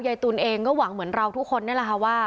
ตูนเองก็หวังเหมือนเราทุกคนนี่แหละค่ะว่า